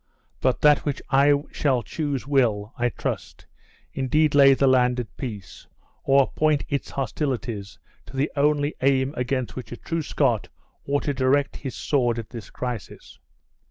But that which I shall choose will, I trust, indeed lay the land at peace, or point its hostilities to the only aim against which a true Scot ought to direct his sword at this crisis!"